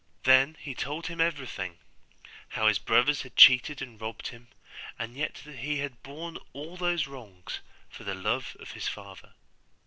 Then he told him everything; how his brothers had cheated and robbed him, and yet that he had borne all those wrongs for the love of his father.